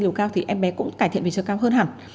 chiều cao thì em bé cũng cải thiện về chiều cao hơn hẳn